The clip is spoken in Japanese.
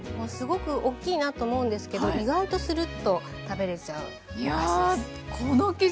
すごく大きいなと思うんですけど意外とスルッと食べれちゃうお菓子です。